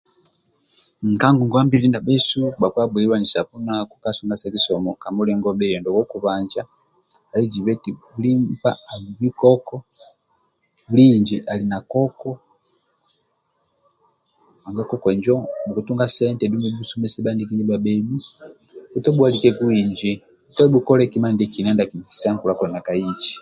Ka ngonguwa mbili ndia bhesu ali lwanisa bhunaku ka mulingo bhiyo ndia kokubanja ali jibe nti buli nkpa agubi koko buli inji ali na koko nanga koko injo bhukusumbesa bhubhuise bhaniki ka sukulu